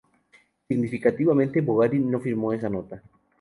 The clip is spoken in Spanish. Significativamente Bogarín no firmó esa nota.